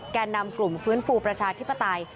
แก่นำกลุ่มฟื้นฟูประชาธิปไตย